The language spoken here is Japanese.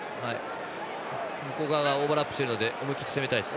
向こう側がオーバーラップしているので思い切って攻めたいです。